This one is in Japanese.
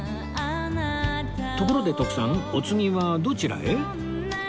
ところで徳さんお次はどちらへ？